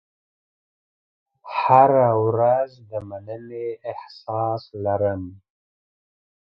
هره ورځ د مننې احساس لرم.